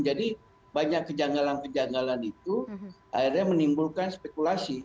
jadi banyak kejanggalan kejanggalan itu akhirnya menimbulkan spekulasi